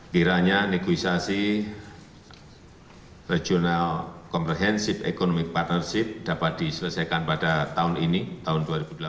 kiranya negosiasi regional comprehensive economic partnership dapat diselesaikan pada tahun ini tahun dua ribu delapan belas